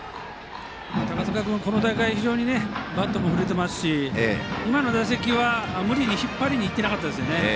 高塚君、この大会非常にバットも振れていますし今のも無理に引っ張りにいってなかったですね。